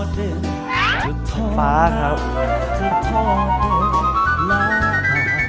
เกิดเก่าไปทุกวันได้ไหม